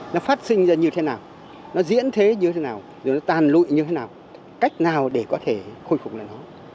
nó phát sinh ra như thế nào nó diễn thế như thế nào rồi nó tàn lụi như thế nào cách nào để có thể khôi phục lại nó